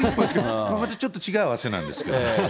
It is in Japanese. これはちょっと違う汗なんですけれども。